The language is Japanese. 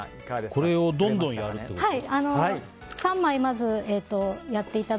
これをどんどんやるってこと？